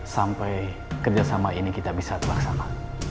sampai kerjasama ini kita bisa terlaksana